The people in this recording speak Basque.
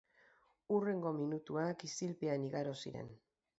Hurrengo minutuak isilpean igaro ziren.